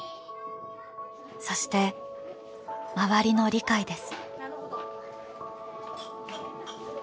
そして周りの理解です。